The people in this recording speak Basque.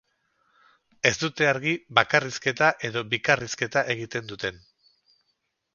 Ez dute argi bakarrizketa edo bikarrizketa egiten duten.